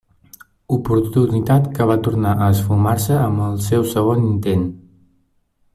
Oportunitat que va tornar a esfumar-se amb el seu segon intent.